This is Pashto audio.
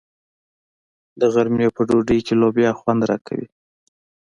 د غرمې په ډوډۍ کې لوبیا خوند راکوي.